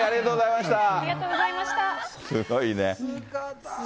すごいね。